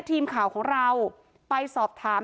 ทีมข่าวของเราไปสอบถาม